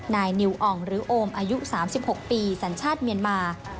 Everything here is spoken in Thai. นายนิวอ่องหรือโอมอายุ๓๖ปีสัญชาติเมียนมา